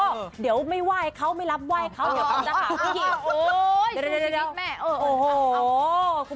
อ๋อคุณเต้ยให้คุณเต้ยไปดู